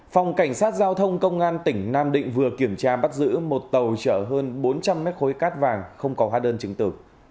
phòng cảnh sát giao thông công an tỉnh nam định vừa kiểm tra bắt giữ một tàu chở hơn bốn trăm linh mét khối cát vàng không có hóa đơn chứng tử